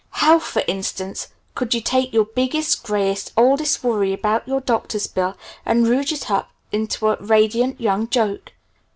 How for instance could you take your biggest, grayest, oldest worry about your doctor's bill, and rouge it up into a radiant, young joke?